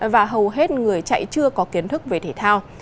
và hầu hết người chạy chưa có kiến thức về thể thao